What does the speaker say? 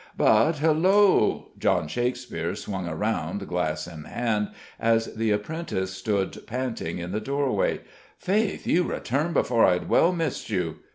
"But hullo!" John Shakespeare swung round, glass in hand, as the apprentice stood panting in the doorway. "Faith, you return before I had well missed you."